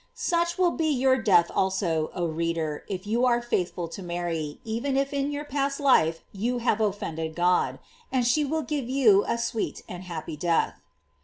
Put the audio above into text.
Such will be your death also, oh my reader, if you are faithful to Mary, even if in your past life you have offended God. She will give you a sweet and happy death.